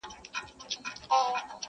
دلته دوه رنګي ده په دې ښار اعتبار مه کوه؛